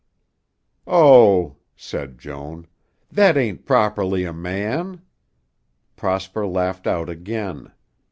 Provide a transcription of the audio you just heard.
"Oh," said Joan, "that ain't properly a man." Prosper laughed out again.